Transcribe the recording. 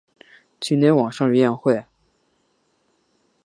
今天晚上有宴会